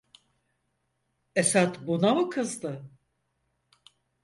Esad buna mı kızdı?